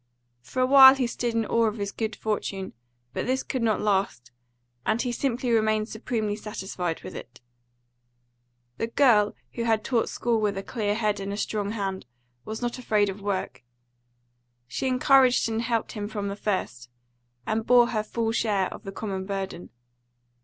For a while he stood in awe of his good fortune, but this could not last, and he simply remained supremely satisfied with it. The girl who had taught school with a clear head and a strong hand was not afraid of work; she encouraged and helped him from the first, and bore her full share of the common burden.